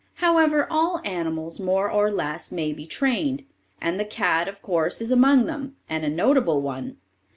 However, all animals, more or less, may be trained, and the cat, of course, is among them, and a notable one.